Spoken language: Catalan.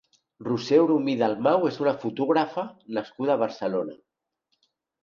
Roser Oromí Dalmau és una fotògrafa nascuda a Barcelona.